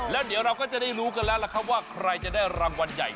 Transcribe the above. แล้วเดี๋ยวเราก็จะได้รู้กันแล้วล่ะครับว่าใครจะได้รางวัลใหญ่